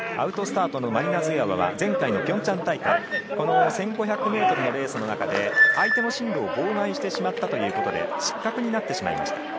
アウトスタートのマリナ・ズエワは前回のピョンチャン大会、この１５００ｍのレースの中で相手の進路を妨害してしまったということで失格になってしまいました。